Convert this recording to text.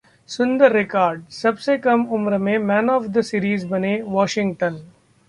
सुंदर रिकॉर्ड: सबसे कम उम्र में 'मैन ऑफ द सीरीज' बने वॉशिंगटन